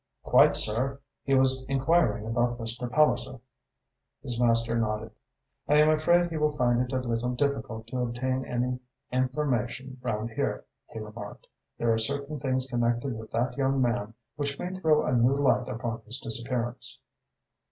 "Quite, sir. He was enquiring about Mr. Palliser." His master nodded. "I am afraid he will find it a little difficult to obtain any information round here," he remarked. "There are certain things connected with that young man which may throw a new light upon his disappearance."